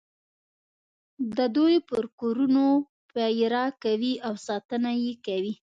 د دوی پر کورونو پېره کوي او ساتنه یې کوي.